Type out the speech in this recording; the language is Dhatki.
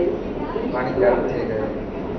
پاڻي گرم ٿي گيو.